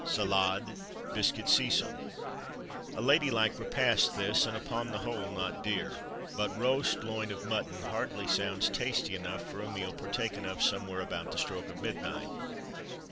Salade. Biscuit Cecil. A lady like repast this; and upon the whole, not dear. But roast loin of mutton hardly sounds tasty enough for a meal partaken of somewhere about the stroke of midnight.